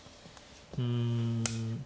うん。